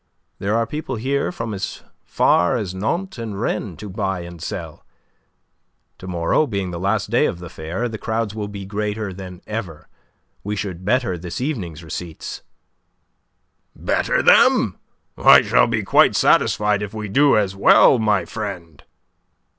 "There are people here from as far as Nantes and Rennes to buy and sell. To morrow, being the last day of the fair, the crowds will be greater than ever. We should better this evening's receipts." "Better them? I shall be quite satisfied if we do as well, my friend."